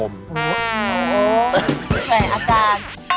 โอเคอาจารย์